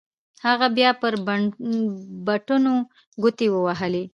هغه بيا پر بټنو گوټې ووهلې.